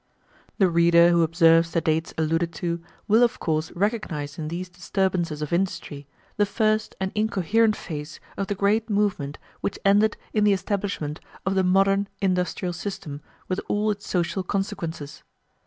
The reader who observes the dates alluded to will of course recognize in these disturbances of industry the first and incoherent phase of the great movement which ended in the establishment of the modern industrial system with all its social consequences.